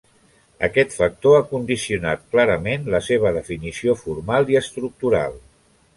Aquest factor ha condicionat clarament la seva definició formal i estructural.